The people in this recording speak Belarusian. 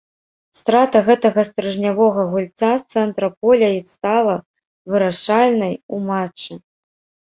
Страта гэтага стрыжнявога гульца цэнтра поля й стала вырашальнай у матчы.